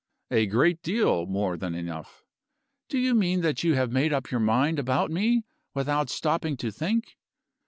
"A great deal more than enough." "Do you mean that you have made up your mind about me without stopping to think?"